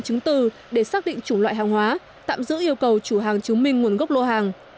chứng từ để xác định chủng loại hàng hóa tạm giữ yêu cầu chủ hàng chứng minh nguồn gốc lô hàng